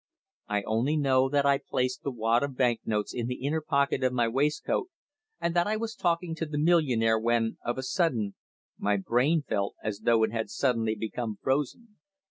I only know that I placed the wad of bank notes in the inner pocket of my waistcoat, and that I was talking to the millionaire when, of a sudden, my brain felt as though it had suddenly become frozen.